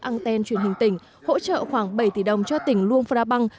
anten truyền hình tỉnh hỗ trợ khoảng bảy tỷ đồng cho tỉnh luông phara bang